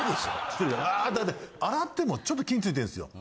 洗ってもちょっと菌ついてるんですよ。